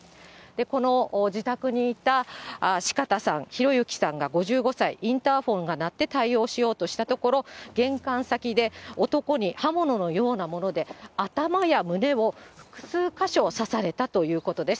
この自宅にいた四方さん、洋行さんが５５歳、インターホンが鳴って対応しようとしたところ、玄関先で男に刃物のようなもので頭や胸を複数か所刺されたということです。